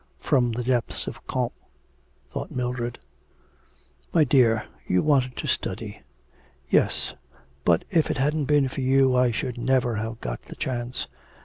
'From the depths of Comte,' thought Mildred. 'My dear, you wanted to study.' 'Yes, but if it hadn't been for you I should never have got the chance.